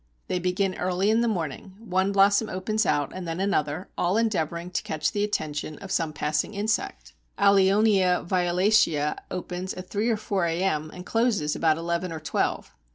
They begin early in the morning: one blossom opens out and then another; all endeavouring to catch the attention of some passing insect. Allionia violacea opens at three or four a.m., and closes about eleven or twelve.